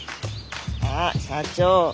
あっ社長。